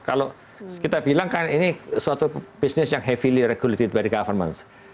kalau kita bilang kan ini suatu bisnis yang heavily regulated by the government